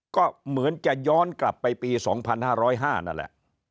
ก็เหมือนจะย้อนกลับไปปี๒๕๐๕นั่นแหละ